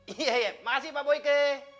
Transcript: iya makasih pak boyke